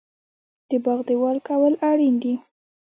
د باغ دیوال کول اړین دي؟